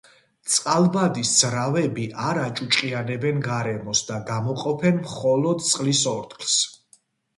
წყალბადის ძრავები არ აჭუჭყიანებენ გარემოს და გამოყოფენ მხოლოდ წყლის ორთქლს.